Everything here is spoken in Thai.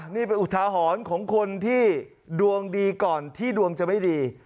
นี่เป็นอุทาหรณ์ของคนที่ดวงดีก่อนที่ดวงจะไม่ดี